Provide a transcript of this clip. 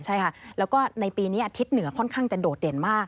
ใช่ค่ะแล้วก็ในปีนี้ทิศเหนือค่อนข้างจะโดดเด่นมาก